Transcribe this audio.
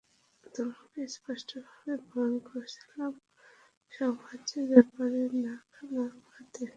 তোমাকে স্পষ্টভাবে বারণ করেছিলাম সাওভ্যাজের ব্যাপারে নাক না গলাতে।